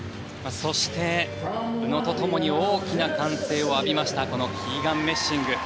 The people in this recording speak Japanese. そして、宇野と共に大きな歓声を浴びましたキーガン・メッシング。